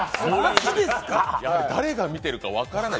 誰が見てるか分からない。